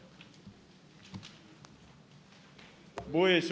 防衛省。